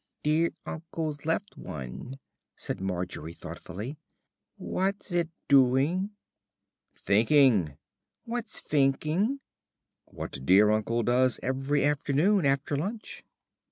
"Dear uncle's left one," said Margery thoughtfully. "What's it doing?" "Thinking." "What's finking?" "What dear uncle does every afternoon after lunch."